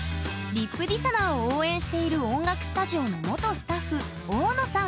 ＲＩＰＤＩＳＨＯＮＯＲを応援している音楽スタジオの元スタッフ大野さん。